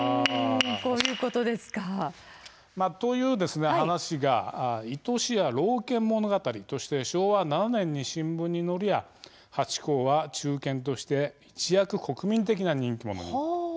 柝きの音という話が「いとしや老犬物語」として昭和７年に新聞に載るやハチ公は忠犬として一躍国民的な人気者に。